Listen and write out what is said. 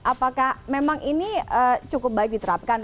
apakah memang ini cukup baik diterapkan